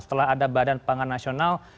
setelah ada badan pangan nasional